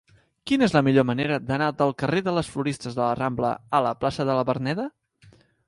Quina és la millor manera d'anar del carrer de les Floristes de la Rambla a la plaça de la Verneda?